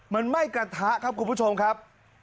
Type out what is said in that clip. มันไหม้กระทะครับคุณผู้ชมครับ